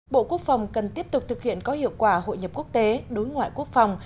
bộ quốc phòng cần tiếp tục thực hiện có hiệu quả hội nhập quốc tế đối ngoại quốc phòng